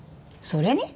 それに？